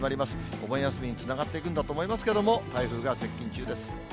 お盆休みにつながっていくんだと思いますけど、台風が接近中です。